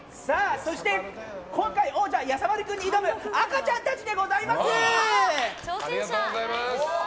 そして、今回王者のやさまる君に挑む赤ちゃんたちでございます！